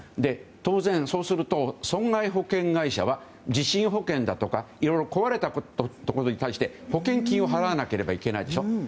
当然、そうすると損害保険会社は地震保険だとかいろいろ壊れたところに対して保険金を払わなければいけないでしょ。